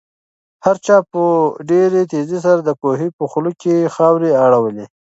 هر چا په ډېرې تېزۍ سره د کوهي په خوله کې خاورې اړولې.